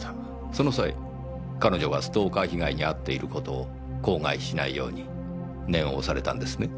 その際彼女はストーカー被害に遭っている事を口外しないように念を押されたんですね？